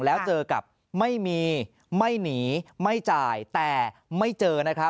แล้วเจอกับไม่มีไม่หนีไม่จ่ายแต่ไม่เจอนะครับ